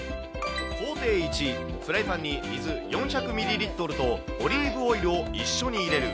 工程１、フライパンに水４００ミリリットルとオリーブオイルを一緒に入れる。